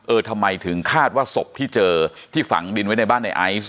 ทำไมถึงคาดว่าศพที่เจอที่ฝังดินไว้ในบ้านในไอซ์